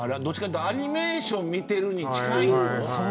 アニメーションを見ている気分に近い。